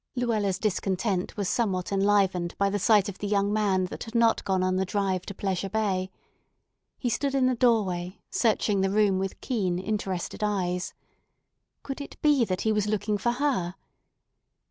Luella's discontent was somewhat enlivened by the sight of the young man that had not gone on the drive to Pleasure Bay. He stood in the doorway, searching the room with keen, interested eyes. Could it be that he was looking for her?